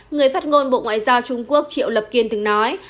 người phát ngôn bộ ngoại giao trung quốc triệu lập kiên thường nói